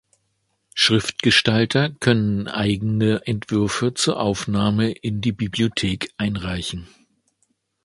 Schriftgestalter können eigene Entwürfe zur Aufnahme in die Bibliothek einreichen.